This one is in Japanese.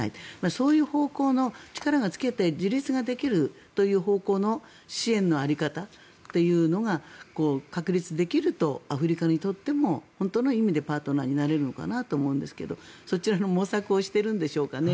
そういう方向の、力をつけて自立できるという方向の支援の在り方っていうのが確立できるとアフリカにとっても本当の意味でパートナーになれるのかなと思うんですけどそちらの模索をしているんでしょうかね。